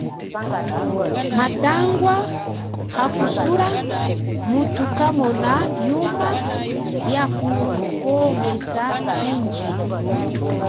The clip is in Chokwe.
Matangwa akusula mutu kamona yuma ya kukomwesa chindji.